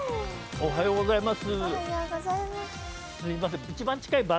おはようございます。